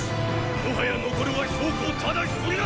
もはや残るは公ただ一人だ！